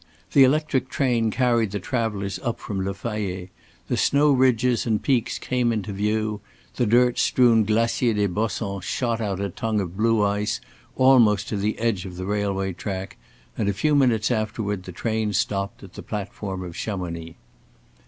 The electric train carried the travelers up from Le Fayet. The snow ridges and peaks came into view; the dirt strewn Glacier des Bossons shot out a tongue of blue ice almost to the edge of the railway track, and a few minutes afterward the train stopped at the platform of Chamonix.